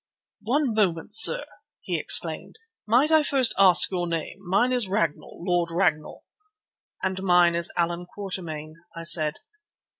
"One moment, sir," he exclaimed. "Might I first ask you your name? Mine is Ragnall—Lord Ragnall." "And mine is Allan Quatermain," I said.